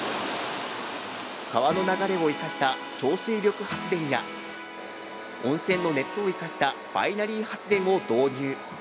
川の流れを生かした小水力発電や温泉の熱を生かしたバイナリー発電を導入。